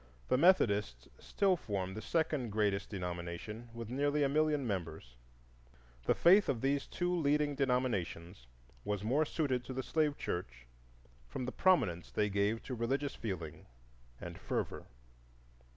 The Methodists still form the second greatest denomination, with nearly a million members. The faith of these two leading denominations was more suited to the slave church from the prominence they gave to religious feeling and fervor.